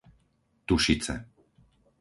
Tušice